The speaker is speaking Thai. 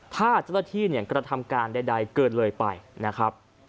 ถ้าเจ้าหน้าที่กระทำการใดเกินเลยไปนะครับ